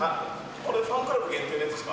これ、ファンクラブ限定のやつですか？